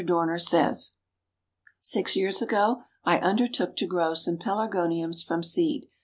Dorner says: "Six years ago I undertook to grow some Pelargoniums from seed.